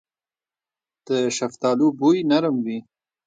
د شفتالو بوی نرم وي.